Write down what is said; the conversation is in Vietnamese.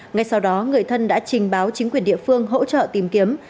ngay sau đó người thân đã trình báo chính quyền địa phương hỗ trợ tìm kiếm